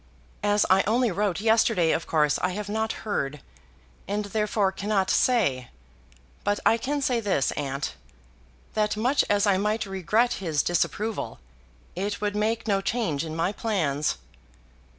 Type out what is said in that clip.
As I only wrote yesterday of course I have not heard, and therefore cannot say. But I can say this, aunt, that much as I might regret his disapproval, it would make no change in my plans."